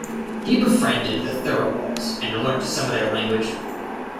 He befriended the Tharawals and learnt some of their language.